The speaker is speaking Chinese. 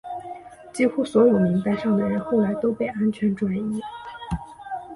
几乎所有名单上的人后来都被安全转移。